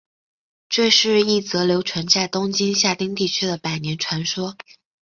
这是一则流传在东京下町地区的百年传说。